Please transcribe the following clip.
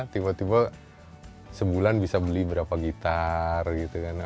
tiba tiba sebulan bisa beli berapa gitar gitu kan